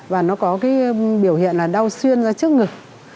và nó có cái biểu hiện là đau xuyên ra trước ngực